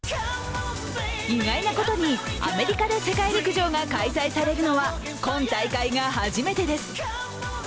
意外なことに、アメリカで世界陸上で開催されるのは今大会が初めてです。